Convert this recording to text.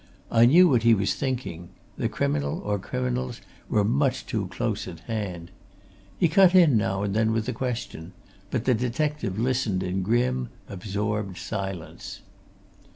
I knew what he was thinking the criminal or criminals were much too close at hand. He cut in now and then with a question but the detective listened in grim, absorbed silence.